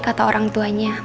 kata orang tuanya